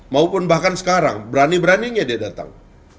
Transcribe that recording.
maupun bahkan sekarang berani beraninya dia datang